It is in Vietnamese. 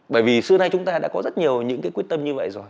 bởi vì xưa nay chúng ta đã có rất nhiều những cái quyết tâm như vậy rồi